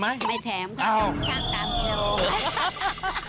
ซื้อเยอะแล้วแถมไหมอ้าวไม่แถมข้ามตามอยู่